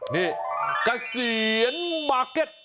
นี่กระเซียนบาร์เก็ต